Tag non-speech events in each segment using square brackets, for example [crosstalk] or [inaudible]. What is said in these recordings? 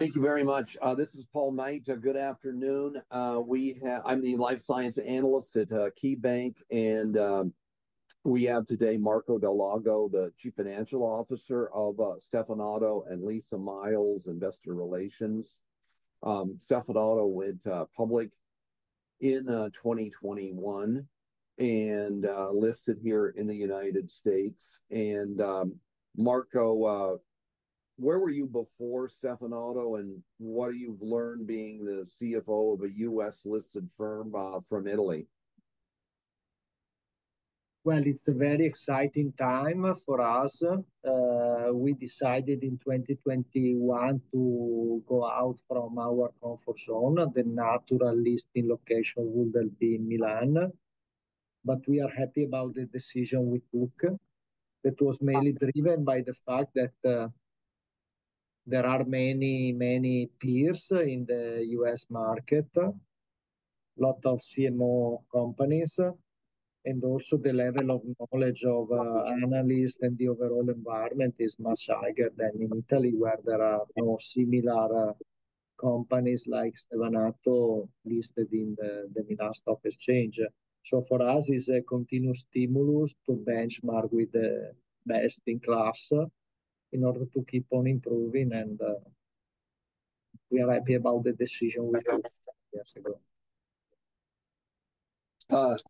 Thank you very much. This is Paul Knight. Good afternoon. I'm the life science analyst at KeyBanc, and we have today Marco Dal Lago, the Chief Financial Officer of Stevanato; and Lisa Miles, investor relations. Stevanato went public in 2021 and listed here in the United States. Marco, where were you before Stevanato, and what have you learned being the CFO of a U.S.-listed firm from Italy? It is a very exciting time for us. We decided in 2021 to go out from our comfort zone. The natural listing location would be in Milan. We are happy about the decision we took. It was mainly driven by the fact that there are many, many peers in the U.S. market, a lot of CMO companies, and also the level of knowledge of analysts and the overall environment is much higher than in Italy, where there are no similar companies like Stevanato listed in the Milan Stock Exchange. For us, it is a continuous stimulus to benchmark with the best in class in order to keep on improving. We are happy about the decision we took years ago.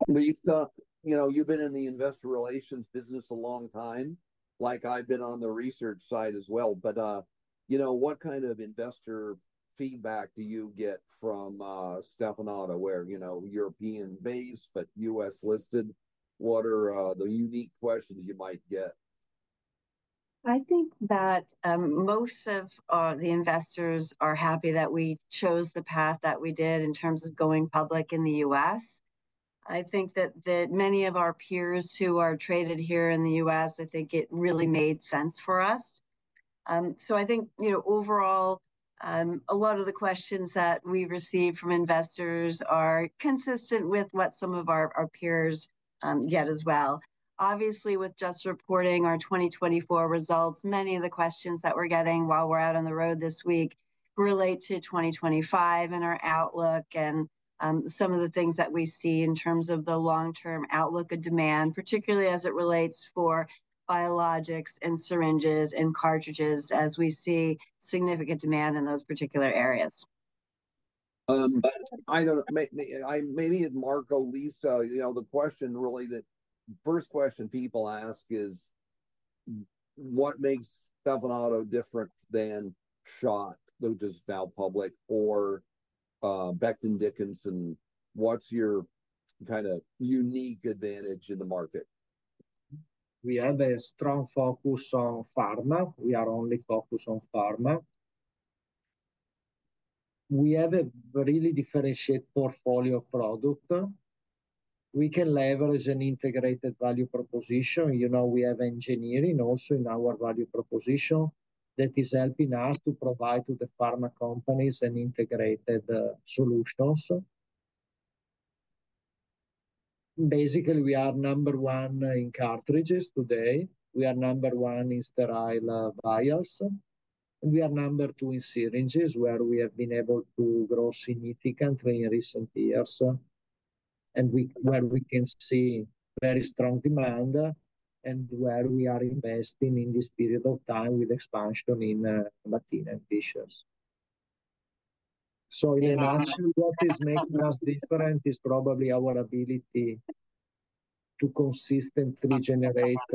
Lisa, you've been in the investor relations business a long time, like I've been on the research side as well. What kind of investor feedback do you get from Stevanato, where European based but U.S. listed? What are the unique questions you might get? I think that most of the investors are happy that we chose the path that we did in terms of going public in the U.S. I think that many of our peers who are traded here in the U.S., I think it really made sense for us. I think overall a lot of the questions that we receive from investors are consistent with what some of our peers get as well. Obviously, with just reporting our 2024 results, many of the questions that we're getting while we're out on the road this week relate to 2025 and our outlook and some of the things that we see in terms of the long-term outlook of demand, particularly as it relates for biologics and syringes and cartridges, as we see significant demand in those particular areas. Maybe, Marco, Lisa, the question really that first question people ask is what makes Stevanato different than SCHOTT, which is now public, or Becton Dickinson. What's your kind of unique advantage in the market? We have a strong focus on pharma. We are only focused on pharma. We have a really differentiated portfolio of products. We can leverage an integrated value proposition. We have engineering also in our value proposition that is helping us to provide to the pharma companies an integrated solution. Basically, we are number one in cartridges today. We are number one in sterile vials. We are number two in syringes, where we have been able to grow significantly in recent years, and where we can see very strong demand and where we are investing in this period of time with expansion in Latina and Fishers. In a nutshell, what is making us different is probably our ability to consistently generate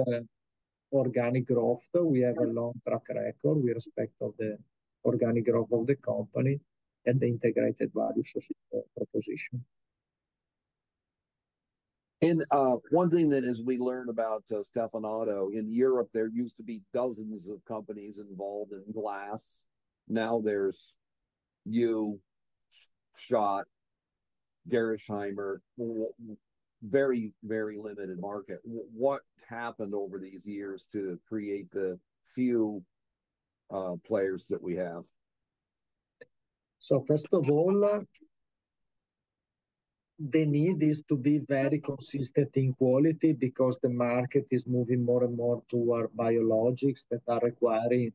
organic growth. We have a long track record with respect to the organic growth of the company and the integrated value proposition. One thing that we learned about Stevanato, in Europe, there used to be dozens of companies involved in glass. Now there's you, SCHOTT, Gerresheimer, very, very limited market. What happened over these years to create the few players that we have? First of all, the need is to be very consistent in quality because the market is moving more and more toward biologics that are requiring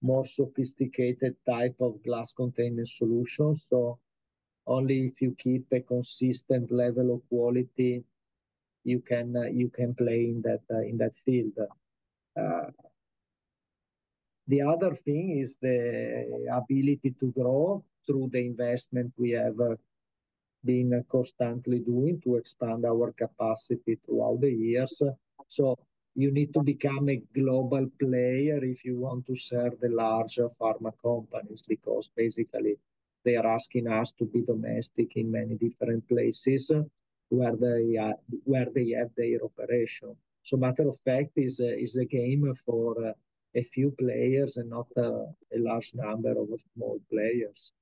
more sophisticated type of glass containment solutions. Only if you keep a consistent level of quality, you can play in that field. The other thing is the ability to grow through the investment we have been constantly doing to expand our capacity throughout the years. You need to become a global player if you want to serve the larger pharma companies because basically they are asking us to be domestic in many different places where they have their operation. Matter of fact is a game for a few players and not a large number of small players.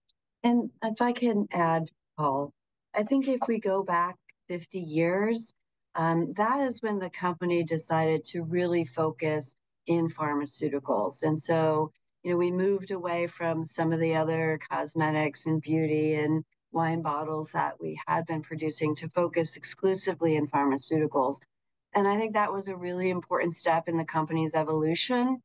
If I can add, Paul, I think if we go back 50 years, that is when the company decided to really focus in pharmaceuticals. We moved away from some of the other cosmetics and beauty and wine bottles that we had been producing to focus exclusively in pharmaceuticals. I think that was a really important step in the company's evolution.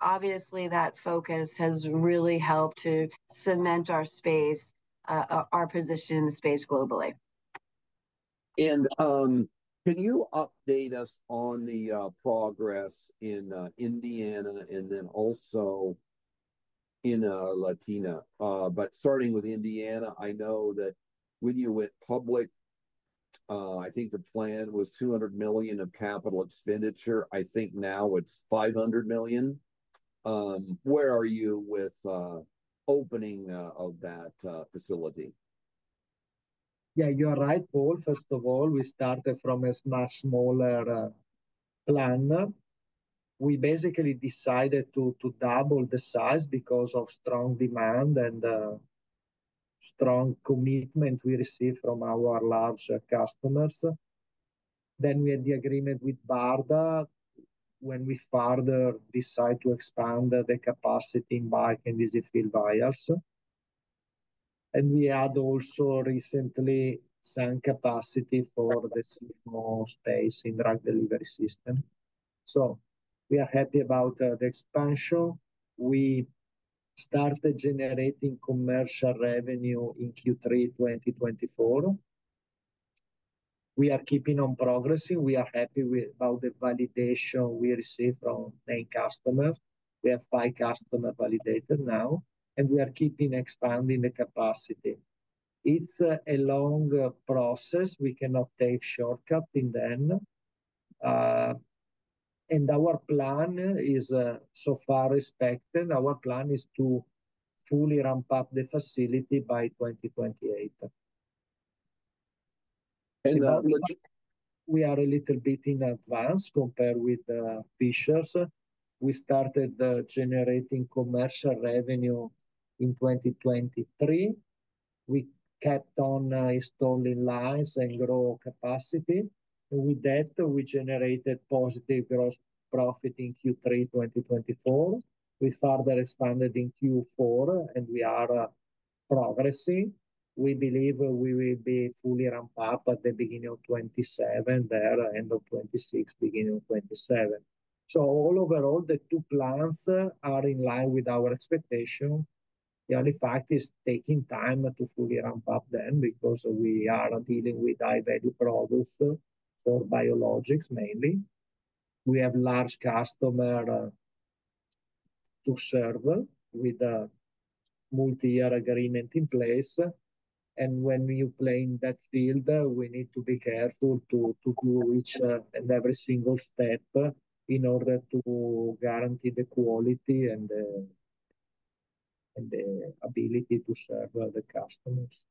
Obviously, that focus has really helped to cement our space, our position in the space globally. Can you update us on the progress in Indiana and then also in Latina? Starting with Indiana, I know that when you went public, I think the plan was $200 million of capital expenditure. I think now it is $500 million. Where are you with opening of that facility? Yeah, you're right, Paul. First of all, we started from a much smaller plan. We basically decided to double the size because of strong demand and strong commitment we received from our large customers. We had the agreement with BARDA when we further decided to expand the capacity in bulk and EZ-fill vials. We add also recently some capacity for the CMO space in drug delivery system. We are happy about the expansion. We started generating commercial revenue in Q3 2024. We are keeping on progressing. We are happy about the validation we received from main customers. We have five customers validated now, and we are keeping expanding the capacity. It's a long process. We cannot take shortcuts in the end. Our plan is so far expected. Our plan is to fully ramp up the facility by 2028. And. [crosstalk] We are a little bit in advance compared with Fishers. We started generating commercial revenue in 2023. We kept on installing lines and growing capacity. With that, we generated positive gross profit in Q3 2024. We further expanded in Q4, and we are progressing. We believe we will be fully ramped up at the beginning of 2027, there, end of 2026, beginning of 2027. Overall, the two plants are in line with our expectation. The only fact it's taking time to fully ramp up them because we are dealing with high-value products for biologics mainly. We have large customers to serve with a multi-year agreement in place. When you play in that field, we need to be careful to do each and every single step in order to guarantee the quality and the ability to serve the customers.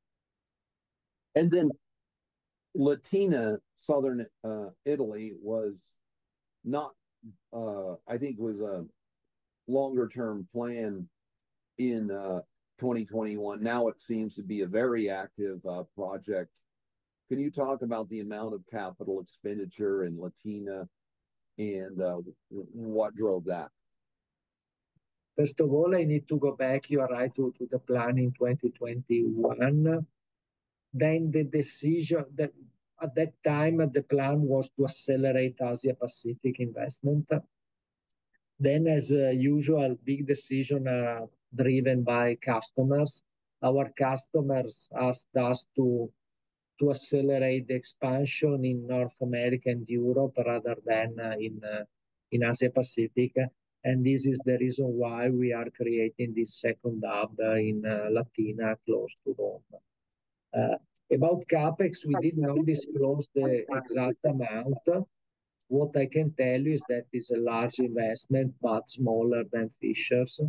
Latina, Southern Italy was not, I think it was a longer-term plan in 2021. Now it seems to be a very active project. Can you talk about the amount of capital expenditure in Latina and what drove that? First of all, I need to go back, you are right, to the plan in 2021. The decision at that time, the plan was to accelerate Asia-Pacific investment. As usual, big decision driven by customers. Our customers asked us to accelerate the expansion in North America and Europe rather than in Asia-Pacific. This is the reason why we are creating this second hub in Latina close to Rome. About CapEx, we did not disclose the exact amount. What I can tell you is that it's a large investment but smaller than Fishers.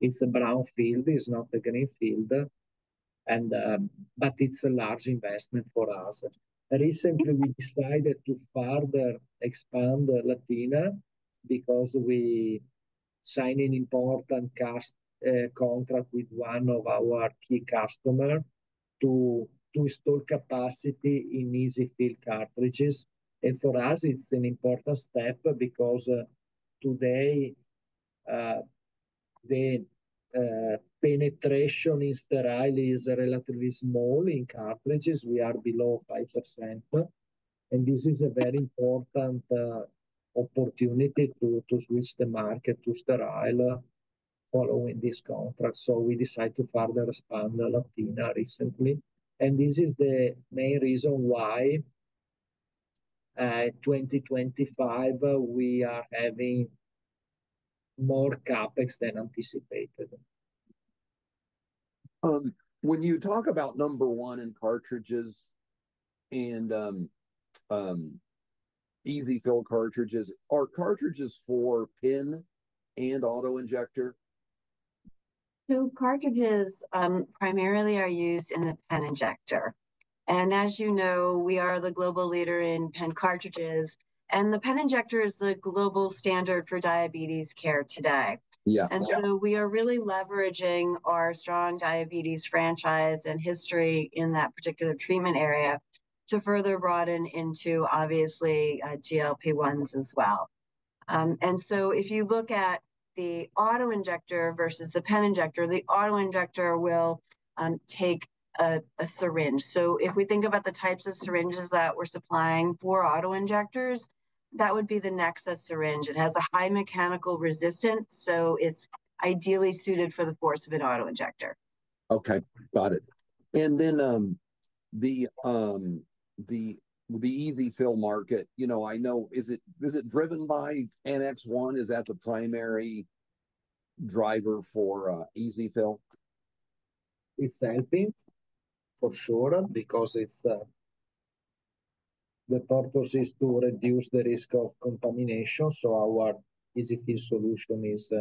It's a brownfield. It's not a greenfield. It's a large investment for us. Recently, we decided to further expand Latina because we signed an important contract with one of our key customers to install capacity in easy-fill cartridges. For us, it's an important step because today the penetration in sterile is relatively small in cartridges. We are below 5%. This is a very important opportunity to switch the market to sterile following this contract. We decided to further expand Latina recently. This is the main reason why in 2025 we are having more CapEx than anticipated. When you talk about number one in cartridges and easy-fill cartridges, are cartridges for pen and autoinjector? Cartridges primarily are used in the pen injector. As you know, we are the global leader in pen cartridges. The pen injector is the global standard for diabetes care today. We are really leveraging our strong diabetes franchise and history in that particular treatment area to further broaden into, obviously, GLP-1s as well. If you look at the autoinjector versus the pen injector, the autoinjector will take a syringe. If we think about the types of syringes that we're supplying for autoinjectors, that would be the Nexa syringe. It has a high mechanical resistance, so it's ideally suited for the force of an autoinjector. Okay. Got it. The easy fill market, I know, is it driven by Annex 1? Is that the primary driver for easy fill? It's helping, for sure, because the purpose is to reduce the risk of contamination. So our EZ-fill solution is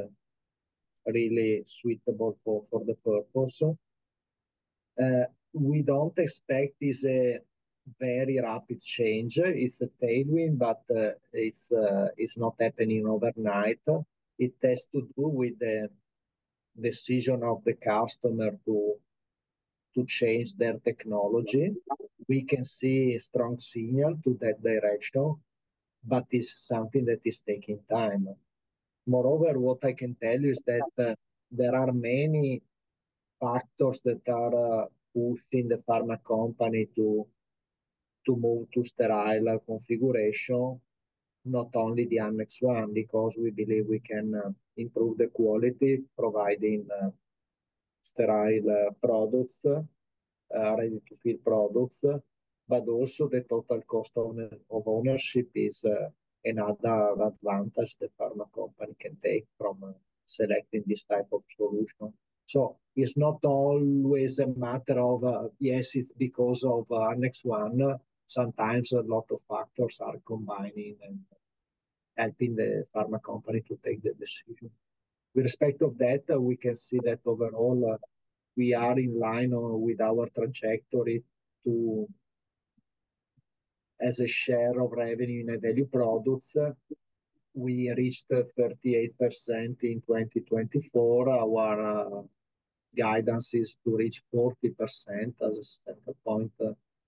really suitable for the purpose. We don't expect this very rapid change. It's a tailwind, but it's not happening overnight. It has to do with the decision of the customer to change their technology. We can see a strong signal to that direction, but it's something that is taking time. Moreover, what I can tell you is that there are many factors that are pushing the pharma company to move to sterile configuration, not only the Annex 1, because we believe we can improve the quality providing sterile products, ready-to-fill products, but also the total cost of ownership is another advantage the pharma company can take from selecting this type of solution. So it's not always a matter of, yes, it's because of Annex 1. Sometimes a lot of factors are combining and helping the pharma company to take the decision. With respect of that, we can see that overall we are in line with our trajectory to, as a share of revenue in high-value products, we reached 38% in 2024. Our guidance is to reach 40% as a set point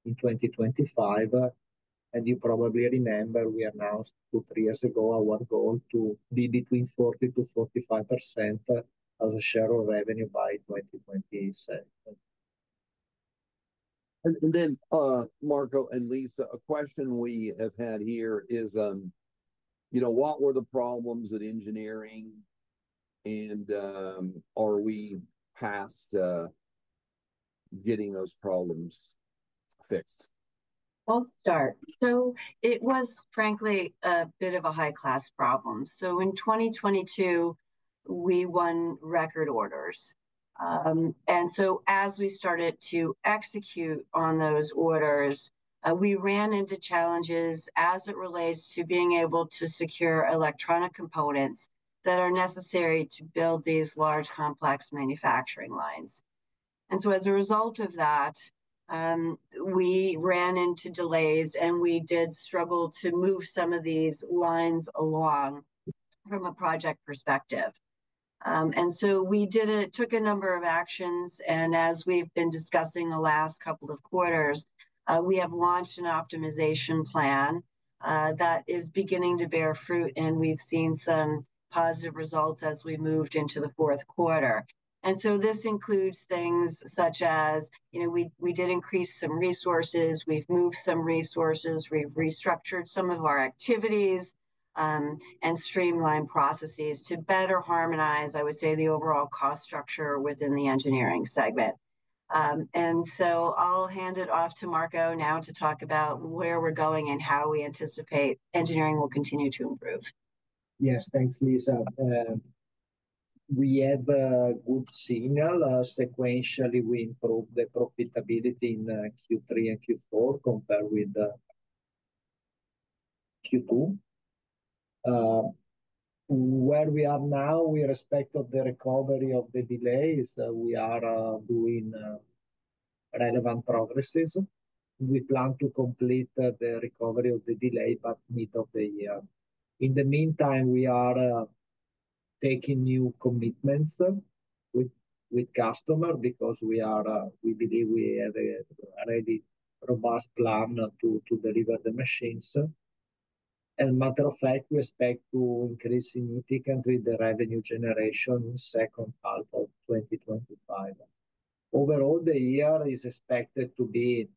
in 2025. You probably remember we announced two or three years ago our goal to be between 40%-45% as a share of revenue by 2027. Marco and Lisa, a question we have had here is, what were the problems in Engineering, and are we past getting those problems fixed? I'll start. It was, frankly, a bit of a high-class problem. In 2022, we won record orders. As we started to execute on those orders, we ran into challenges as it relates to being able to secure electronic components that are necessary to build these large complex manufacturing lines. As a result of that, we ran into delays, and we did struggle to move some of these lines along from a project perspective. We took a number of actions. As we've been discussing the last couple of quarters, we have launched an optimization plan that is beginning to bear fruit, and we've seen some positive results as we moved into the fourth quarter. This includes things such as we did increase some resources. We've moved some resources. We have restructured some of our activities and streamlined processes to better harmonize, I would say, the overall cost structure within the Engineering Segment. I will hand it off to Marco now to talk about where we are going and how we anticipate Engineering will continue to improve. Yes, thanks, Lisa. We have a good signal. Sequentially, we improved the profitability in Q3 and Q4 compared with Q2. Where we are now with respect to the recovery of the delays, we are doing relevant progresses. We plan to complete the recovery of the delay by mid of the year. In the meantime, we are taking new commitments with customers because we believe we have a ready robust plan to deliver the machines. Matter of fact, we expect to increase significantly the revenue generation in the second half of 2025. Overall, the year is expected to be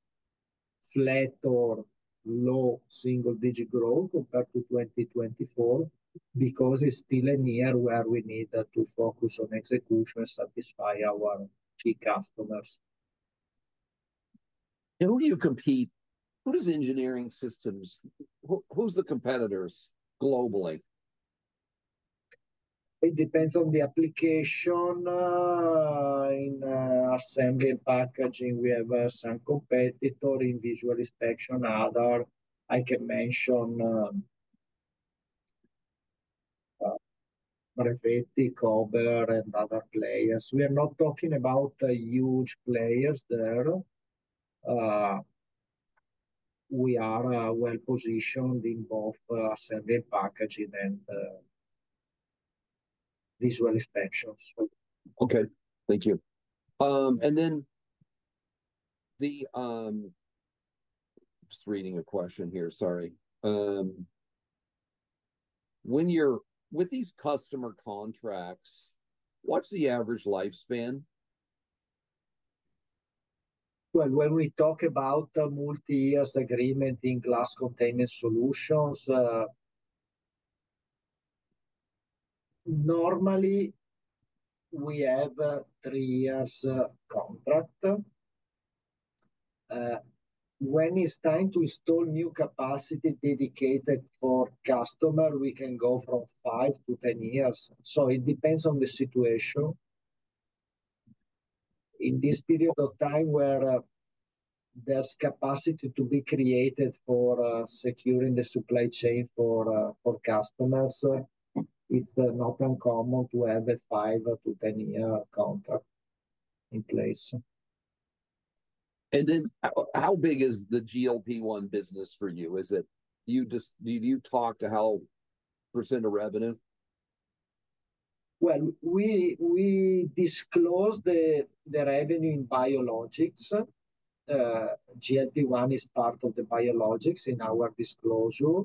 flat or low single-digit growth compared to 2024 because it's still a year where we need to focus on execution and satisfy our key customers. Who do you compete? Who does engineering systems? Who's the competitors globally? It depends on the application. In assembly and packaging, we have some competitors in visual inspection. Other I can mention, Brevetti, Körber, and other players. We are not talking about huge players there. We are well positioned in both assembly and packaging and visual inspections. Okay. Thank you. Just reading a question here. Sorry. With these customer contracts, what's the average lifespan? When we talk about multi-years agreement in glass containment solutions, normally we have a three years contract. When it's time to install new capacity dedicated for customers, we can go from five to 10 years. It depends on the situation. In this period of time where there's capacity to be created for securing the supply chain for customers, it's not uncommon to have a five- to 10-year contract in place. How big is the GLP-1 business for you? Do you talk to how percent of revenue? We disclose the revenue in biologics. GLP-1 is part of the biologics in our disclosure.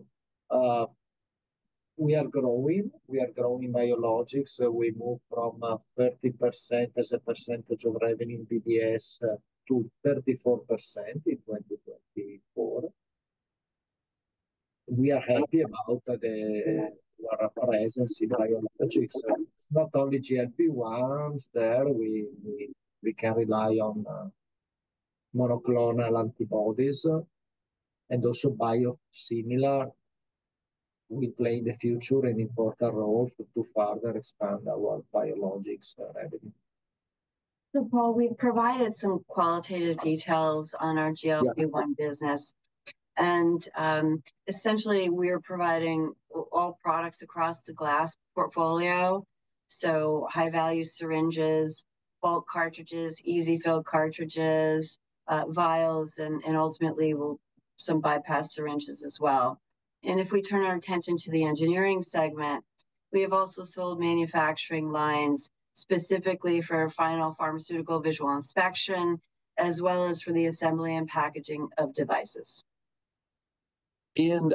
We are growing. We are growing biologics. We moved from 30% as a percentage of revenue in BDS to 34% in 2024. We are happy about the presence in biologics. It's not only GLP-1s there. We can rely on monoclonal antibodies and also biosimilar. We play in the future an important role to further expand our biologics revenue. Paul, we've provided some qualitative details on our GLP-1 business. Essentially, we are providing all products across the glass portfolio: high-value syringes, bulk cartridges, easy-fill cartridges, vials, and ultimately some bypass syringes as well. If we turn our attention to the Engineering Segment, we have also sold manufacturing lines specifically for final pharmaceutical visual inspection as well as for the assembly and packaging of devices. When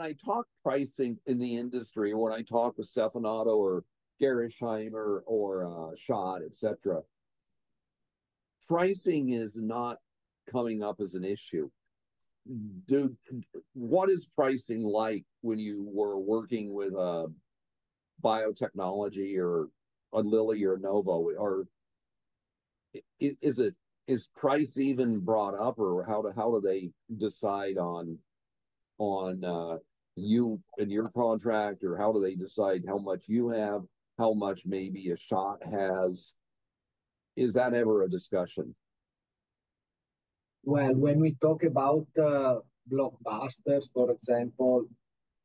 I talk pricing in the industry, when I talk with Stevanato or Gerresheimer or SCHOTT, etc., pricing is not coming up as an issue. What is pricing like when you were working with a biotechnology or Lilly or Novo? Is price even brought up? Or how do they decide on you and your contract? Or how do they decide how much you have, how much maybe a SCHOTT has? Is that ever a discussion? When we talk about blockbuster, for example,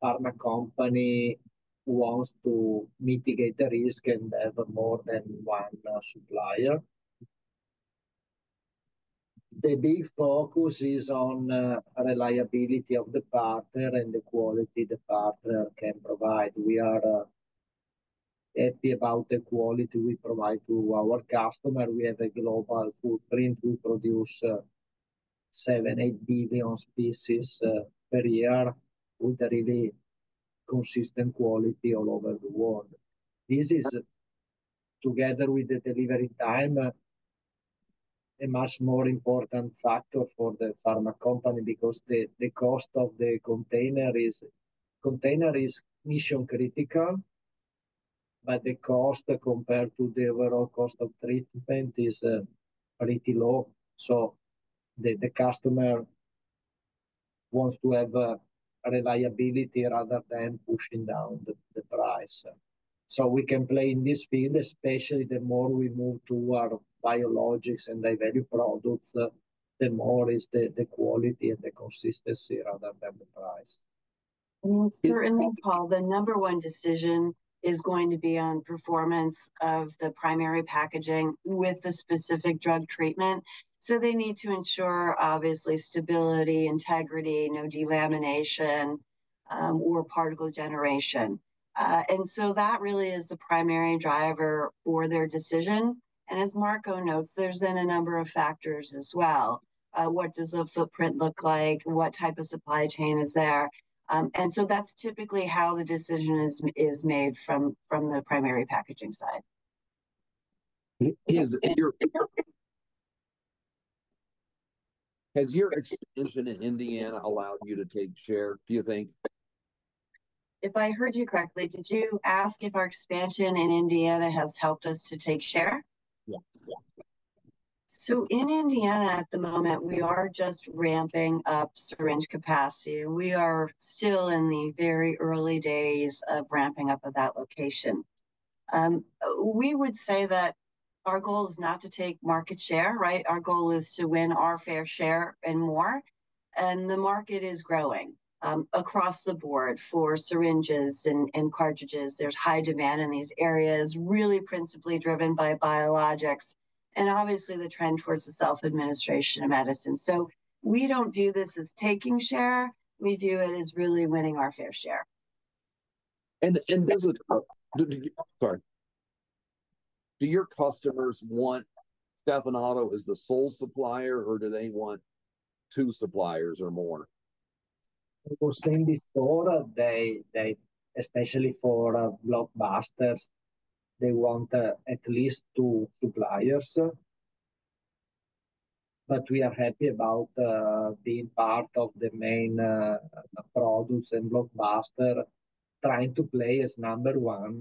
pharma company who wants to mitigate the risk and have more than one supplier, the big focus is on reliability of the partner and the quality the partner can provide. We are happy about the quality we provide to our customer. We have a global footprint. We produce 7 billion, 8 billion pieces per year with really consistent quality all over the world. This is, together with the delivery time, a much more important factor for the pharma company because the cost of the container is mission critical, but the cost compared to the overall cost of treatment is pretty low. The customer wants to have reliability rather than pushing down the price. We can play in this field. Especially, the more we move toward biologics and high-value products, the more is the quality and the consistency rather than the price. Certainly, Paul, the number one decision is going to be on performance of the primary packaging with the specific drug treatment. They need to ensure, obviously, stability, integrity, no delamination or particle generation. That really is the primary driver for their decision. As Marco notes, there is then a number of factors as well. What does the footprint look like? What type of supply chain is there? That is typically how the decision is made from the primary packaging side. Has your expansion in Indiana allowed you to take share, do you think? If I heard you correctly, did you ask if our expansion in Indiana has helped us to take share? Yeah. In Indiana at the moment, we are just ramping up syringe capacity. We are still in the very early days of ramping up at that location. We would say that our goal is not to take market share, right? Our goal is to win our fair share and more. The market is growing across the board for syringes and cartridges. There is high demand in these areas, really principally driven by biologics and obviously the trend towards the self-administration of medicine. We do not view this as taking share. We view it as really winning our fair share. [audio distortion] Sorry. Do your customers want Stevanato as the sole supplier, or do they want two suppliers or more? [As we're saying before], especially for blockbuster, they want at least two suppliers. We are happy about being part of the main products and blockbuster, trying to play as number one.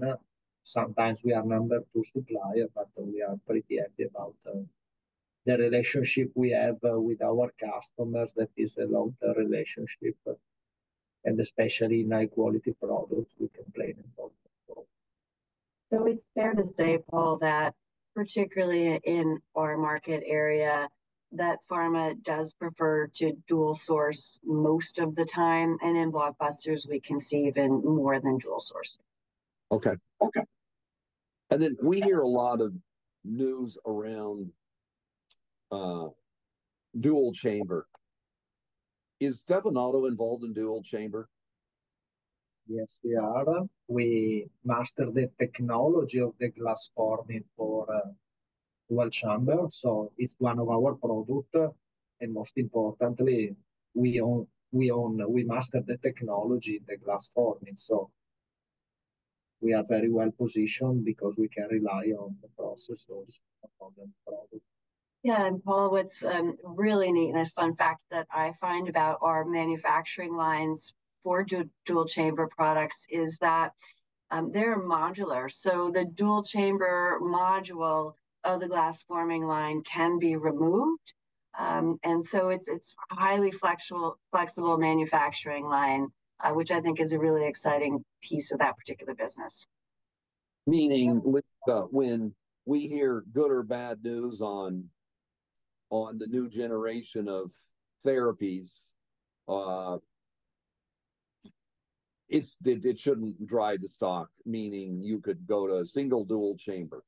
Sometimes we are number two supplier, but we are pretty happy about the relationship we have with our customers. That is a long-term relationship. Especially in high-quality products, we can play [in both of them]. It's fair to say, Paul, that particularly in our market area, pharma does prefer to dual source most of the time. In blockbusters, we can see even more than dual source. Okay. We hear a lot of news around dual chamber. Is Stevanato involved in dual chamber? Yes, we are. We mastered the technology of the glass forming for dual chamber, so it's one of our products. And most importantly, we mastered the technology in the glass forming. So we are very well positioned because we can rely on the [process of forming the product]. Yeah. Paul, what's really neat and a fun fact that I find about our manufacturing lines for dual-chamber products is that they're modular. The dual chamber module of the glass-forming line can be removed. It is a highly flexible manufacturing line, which I think is a really exciting piece of that particular business. Meaning when we hear good or bad news on the new generation of therapies, it shouldn't drive the stock, meaning you could go to a single, dual chamber.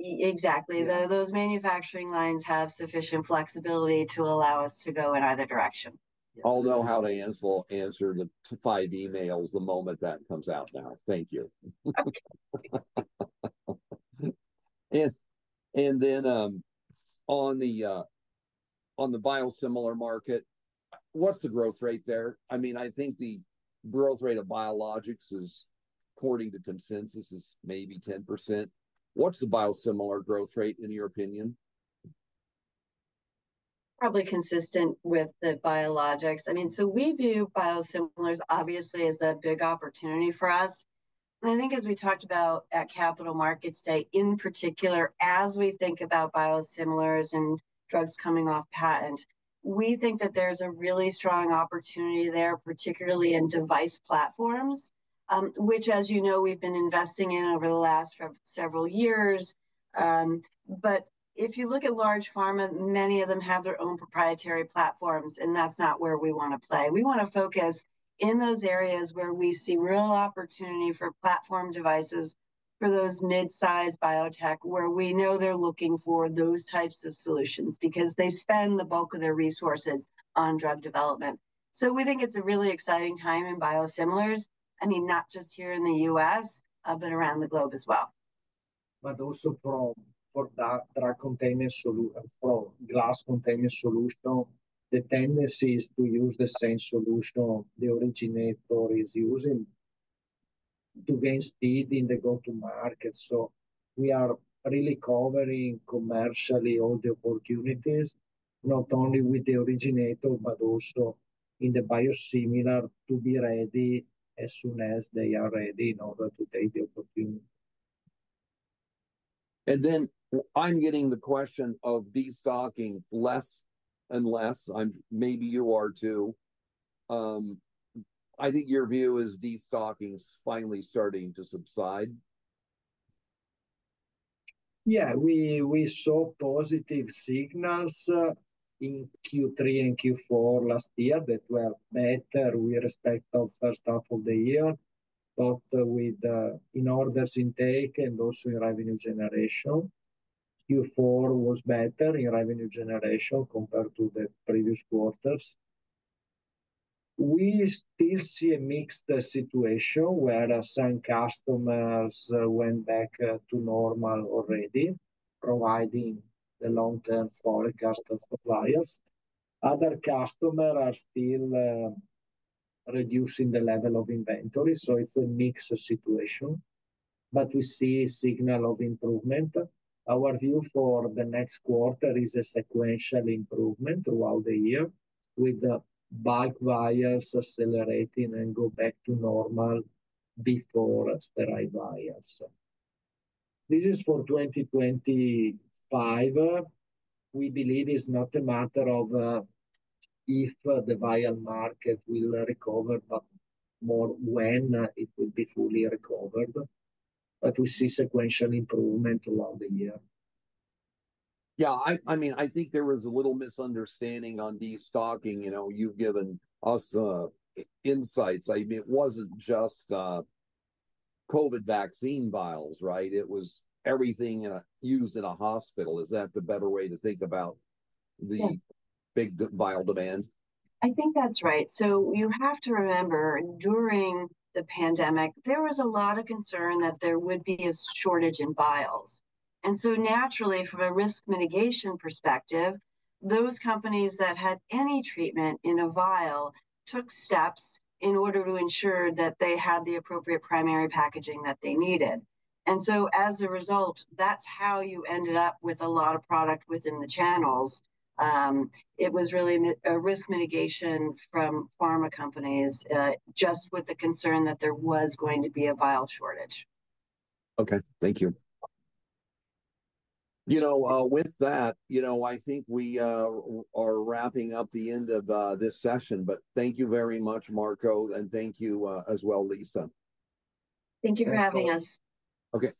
Exactly. Those manufacturing lines have sufficient flexibility to allow us to go in either direction. I'll know how to answer the five emails the moment that comes out now. Thank you. On the biosimilar market, what's the growth rate there? I mean, I think the growth rate of biologics, according to consensus, is maybe 10%. What's the biosimilar growth rate, in your opinion? Probably consistent with the biologics. I mean, we view biosimilars, obviously, as a big opportunity for us. I think, as we talked about at Capital Markets Day in particular, as we think about biosimilars and drugs coming off patent, we think that there is a really strong opportunity there, particularly in device platforms, which, as you know, we have been investing in over the last several years. If you look at large pharma, many of them have their own proprietary platforms, and that is not where we want to play. We want to focus in those areas where we see real opportunity for platform devices for those mid-size biotech where we know they are looking for those types of solutions because they spend the bulk of their resources on drug development. We think it's a really exciting time in biosimilars, I mean, not just here in the U.S. but around the globe as well. Also for glass containment solutions, the tendency is to use the same solution the originator is using to gain speed in the go-to-market. We are really covering commercially all the opportunities, not only with the originator but also in the biosimilar, to be ready as soon as they are ready in order to take the opportunity. I'm getting the question of destocking less and less. Maybe you are too. I think your view is destocking is finally starting to subside. Yeah. We saw positive signals in Q3 and Q4 last year that were better with respect to the first half of the year, both in orders intake and also in revenue generation. Q4 was better in revenue generation compared to the previous quarters. We still see a mixed situation where some customers went back to normal already, providing the long-term forecast of suppliers. Other customers are still reducing the level of inventory. It is a mixed situation. We see signal of improvement. Our view for the next quarter is a sequential improvement throughout the year, with bulk vials accelerating and going back to normal before sterile vials. This is for 2025. We believe it is not a matter of if the vial market will recover but more when it will be fully recovered. We see sequential improvement throughout the year. Yeah. I mean, I think there was a little misunderstanding on destocking. You've given us insights. I mean, it wasn't just COVID vaccine vials, right? It was everything used in a hospital. Is that the better way to think about the big vial demand? I think that's right. You have to remember, during the pandemic, there was a lot of concern that there would be a shortage in vials. Naturally, from a risk mitigation perspective, those companies that had any treatment in a vial took steps in order to ensure that they had the appropriate primary packaging that they needed. As a result, that's how you ended up with a lot of product within the channels. It was really a risk mitigation from pharma companies just with the concern that there was going to be a vial shortage. Okay. Thank you. With that, I think we are wrapping up the end of this session. Thank you very much, Marco, and thank you as well, Lisa. Thank you for having us. Thanks, Paul. Okay.